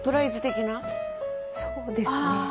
そうですねはい。